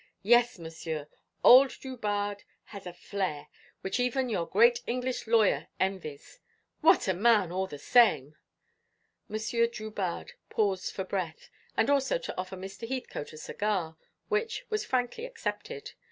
Yes, Monsieur, old Drubarde has a flair, which even your great English lawyer envies. What a man, all the same!" Monsieur Drubarde paused for breath, and also to offer Mr. Heathcote a cigar, which was frankly accepted.